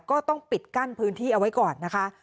ก็ต้องปิดกั้นพื้นที่เอาไว้ก่อนนะคะ